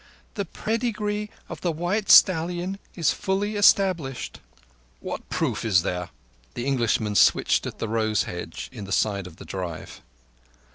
"The pedigree of the white stallion is fully established." "What proof is there?" The Englishman switched at the rose hedge in the side of the drive.